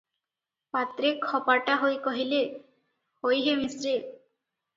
ପାତ୍ରେ ଖପାଟା ହୋଇ କହିଲେ, "ହୋଇ ହେ ମିଶ୍ରେ!